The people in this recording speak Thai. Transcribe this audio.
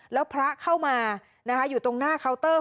แล้วพระเข้ามาอยู่ตรงหน้าเคาน์เตอร์